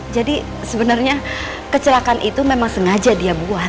jadi sebenarnya kecelakaan itu memang sengaja dia buat